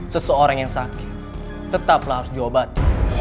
seseorang yang sakit tetap harus diobat